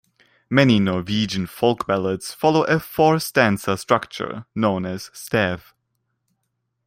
Many Norwegian folk ballads follow a four-stanza structure known as stev.